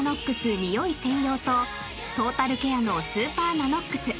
ニオイ専用とトータルケアのスーパーＮＡＮＯＸ